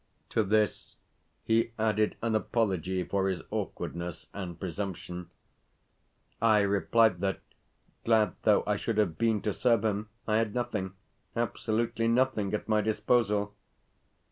To this he added an apology for his awkwardness and presumption. I replied that, glad though I should have been to serve him, I had nothing, absolutely nothing, at my disposal.